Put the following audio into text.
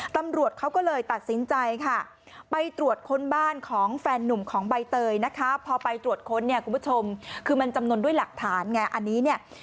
ตำรวจเขาก็เลยตัดสินใจค่ะไปตรวจค้นบ้านของแฟนนุ่มของใบเตยนะคะพอไปตรวจค้นเนี่ยคุณผู้ชมคือมันจำนวนด้วยหลักฐานไงอันนี้เนี่ย